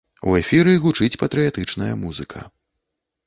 У эфіры гучыць патрыятычная музыка.